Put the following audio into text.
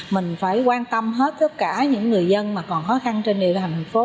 mình phải quan tâm hết tất cả những người dân mà còn khó khăn trên địa hành phố